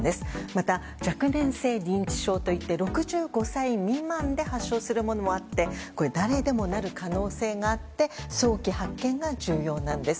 また、若年性認知症といって６５歳未満で発症するものもあってこれ、誰でもなる可能性があって早期発見が重要なんです。